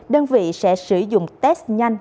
đơn vị sẽ sử dụng test nhanh